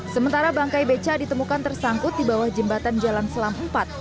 sementara bangkai beca ditemukan tersangkut di bawah jembatan jalan selam empat